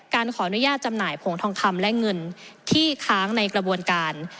ขออนุญาตจำหน่ายผงทองคำและเงินที่ค้างในกระบวนการ